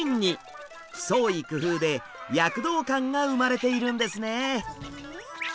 創意工夫で躍動感が生まれているんですね。